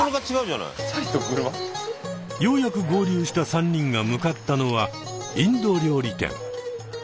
ようやく合流した３人が向かったのはインド料理店。